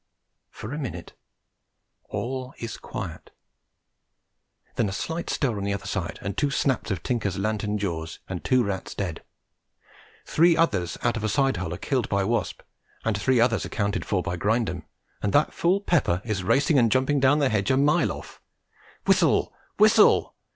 For a minute all is quiet; then a slight stir on the other side and two snaps of Tinker's lantern jaws, and two rats dead; three others out of a side hole are killed by Wasp, and three others accounted for by Grindum, and that fool Pepper is racing and jumping down the hedge a mile off. Whistle! whistle!